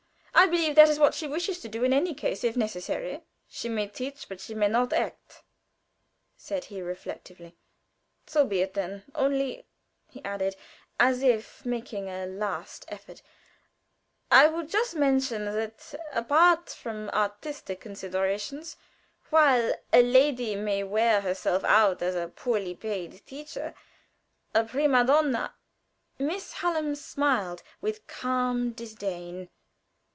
I believe that is what she wishes to do, in case if necessary." "She may teach, but she may not act," said he, reflectively. "So be it, then! Only," he added as if making a last effort, "I would just mention that, apart from artistic considerations, while a lady may wear herself out as a poorly paid teacher, a prima donna " Miss Hallam smiled with calm disdain.